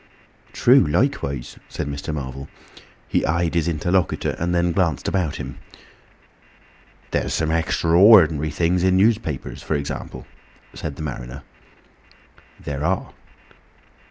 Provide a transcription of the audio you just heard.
"True likewise," said Mr. Marvel. He eyed his interlocutor, and then glanced about him. "There's some extra ordinary things in newspapers, for example," said the mariner. "There are."